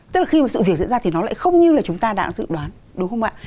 tức là khi mà sự việc diễn ra thì nó lại không như là chúng ta đã dự đoán đúng không ạ